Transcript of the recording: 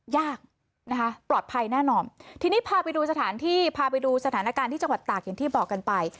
ยากนะคะปลอดภัยแน่นอนทีนี้พาไปดูสถานที่พาไปดูสถานการณ์ที่จังหวัดตากอย่างที่บอกกันไป